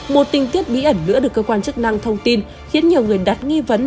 một tình tiết bí ẩn nữa được cơ quan chức năng thông tin khiến nhiều người đặt nghi vấn